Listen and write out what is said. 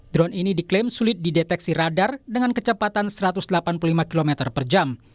drone ini diklaim sulit dideteksi radar dengan kecepatan satu ratus delapan puluh lima km per jam